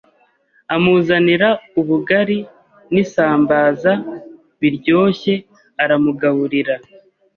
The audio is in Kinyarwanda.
amuzanira ubugari n’isambaza biryoshye aramugaburira